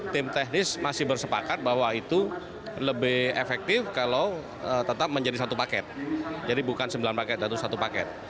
tim teknis masih bersepakat bahwa itu lebih efektif kalau tetap menjadi satu paket jadi bukan sembilan paket atau satu paket